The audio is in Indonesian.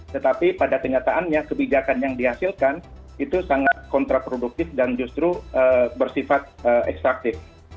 tetapi pada kenyataannya kebijakan yang dihasilkan itu sangat kontraproduktif dan justru bersifat ekstraktif